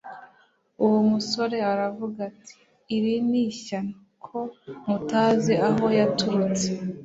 Uwo musore aravuga ati : "iri ni ishyano, ko mutazi aho yaturutse,